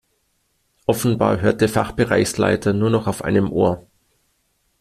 Offenbar hört der Fachbereichsleiter nur noch auf einem Ohr.